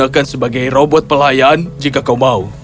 dan digunakan sebagai robot pelayan jika kau mau